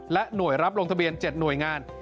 หน่วยรับลงทะเบียน๗หน่วยงาน